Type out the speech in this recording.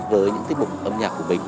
với những tiết mục âm nhạc của mình